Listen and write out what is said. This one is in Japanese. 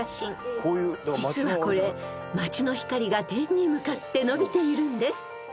［実はこれ街の光が天に向かってのびているんです］